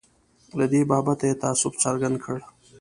له دې بابته یې تأسف څرګند کړ.